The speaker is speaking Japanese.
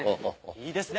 いいですね。